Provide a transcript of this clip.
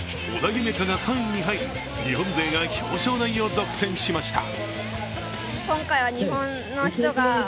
海が３位に入り日本勢が表彰台を独占しました。